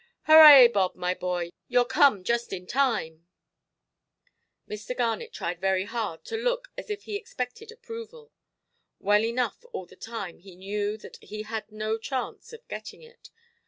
"Hurrah, Bob, my boy; youʼre come just in time". Mr. Garnet tried very hard to look as if he expected approval. Well enough all the time he knew that he had no chance of getting it.